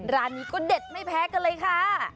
ร้านนี้ก็เด็ดไม่แพ้กันเลยค่ะ